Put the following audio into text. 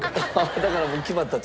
だからもう決まったと。